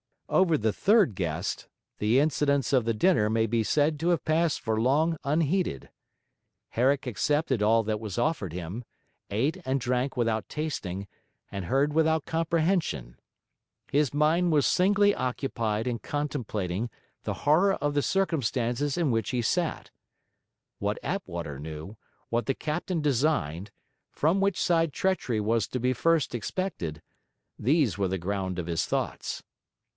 Over the third guest, the incidents of the dinner may be said to have passed for long unheeded. Herrick accepted all that was offered him, ate and drank without tasting, and heard without comprehension. His mind was singly occupied in contemplating the horror of the circumstances in which he sat. What Attwater knew, what the captain designed, from which side treachery was to be first expected, these were the ground of his thoughts.